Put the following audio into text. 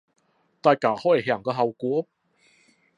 大家可以聽聽個效果